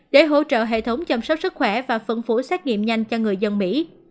để hỗ trợ hệ thống chăm sóc sức khỏe và phân phối xét nghiệm nhanh cho người dân mỹ